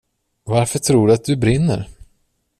Varför tror du att du brinner?